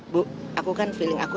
bu aku kan feeling aku